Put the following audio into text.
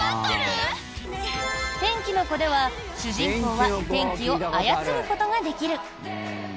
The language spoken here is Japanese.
「天気の子」では、主人公は天気を操ることができる。